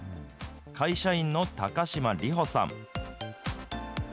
会社員の高嶋莉帆さん。